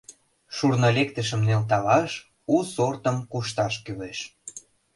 Шурно лектышым нӧлталаш, у сортым кушташ кӱлеш.